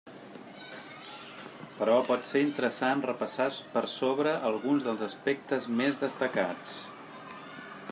Però pot ser interessant repassar per sobre alguns dels aspectes més destacats.